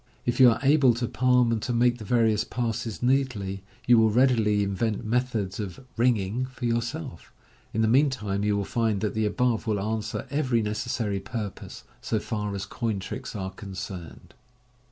If you are able to palm and to make the various passes neatly, you will readily invent method* <>f " ringing" for yourself ; in the meantime, you will rind that the above will answer every necessary purpose, so fax as coin tricks are cuaceraed.